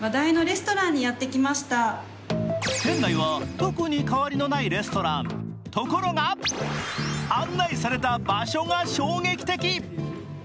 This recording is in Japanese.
店内は特に変わりのないレストラン、ところが案内された場所が衝撃的。